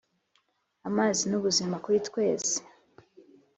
Amazi nubuzima kuritwese